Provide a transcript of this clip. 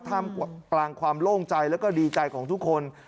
กลางความโล่งใจแล้วก็ดีใจของทุกคน